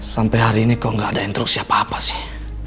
sampai hari ini kok gak ada instruksi apa apa sih